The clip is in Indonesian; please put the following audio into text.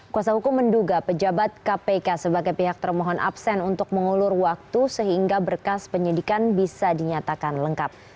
kuasa hukum menduga pejabat kpk sebagai pihak termohon absen untuk mengulur waktu sehingga berkas penyidikan bisa dinyatakan lengkap